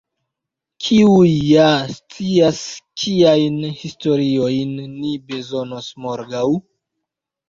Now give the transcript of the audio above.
Kiu ja scias kiajn historiojn ni bezonos morgaŭ?